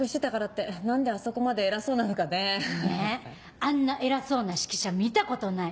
あんな偉そうな指揮者見たことない。